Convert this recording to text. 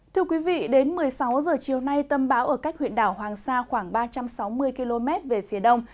thưa quý vị đến một mươi sáu h chiều nay tâm báo ở cách huyện đảo hoàng sa khoảng ba trăm sáu mươi km về phía đông